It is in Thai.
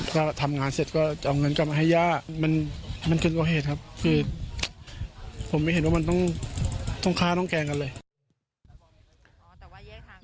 ก็ทำงานเสร็จก็จะเอาเงินกลับมาให้ย่ามันเกินกว่าเหตุครับคือผมไม่เห็นว่ามันต้องฆ่าต้องแกล้งกันเลย